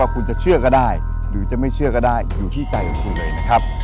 คุณจะเชื่อก็ได้หรือจะไม่เชื่อก็ได้อยู่ที่ใจของคุณเลยนะครับ